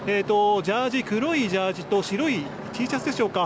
黒いジャージーと白いＴシャツでしょうか。